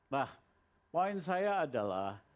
nah poin saya adalah